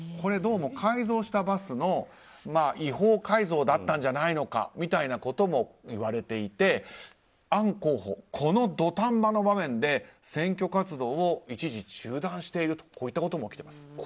どうも、改造したバスの違法改造だったんじゃないのかみたいなこともいわれていてアン候補、この土壇場の場面で選挙活動を一時中断しているといったことも起きてます。